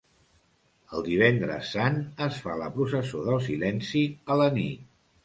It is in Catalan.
El Divendres Sant es fa la Processó del Silenci a la nit.